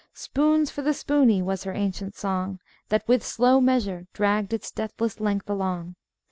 "Spoons for the spooney," was her ancient song, That with slow measure dragged its deathless length along.